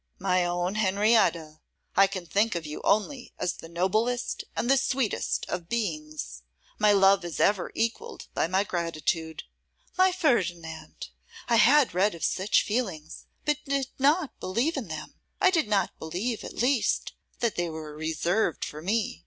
'My own Henrietta, I can think of you only as the noblest and the sweetest of beings. My love is ever equalled by my gratitude!' 'My Ferdinand, I had read of such feelings, but did not believe in them. I did not believe, at least, that they were reserved for me.